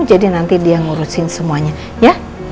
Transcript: jadi nanti dia ngurusin semuanya ya